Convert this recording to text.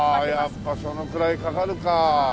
やっぱそのくらいかかるか。